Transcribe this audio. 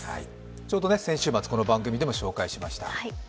ちょうど先週末この番組でも紹介しました。